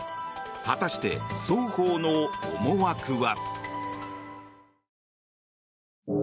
果たして、双方の思惑は。